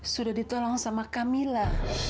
sudah ditolong sama camilla